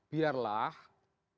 biarlah mekanisme terbaik